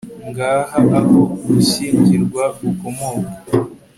ngaha aho gushyingirwa gukomoka